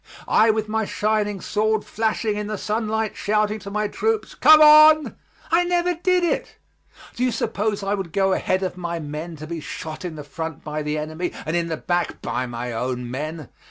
I, with my shining sword flashing in the sunlight, shouting to my troops: "Come on." I never did it. Do you suppose I would go ahead of my men to be shot in the front by the enemy and in the back by my own men?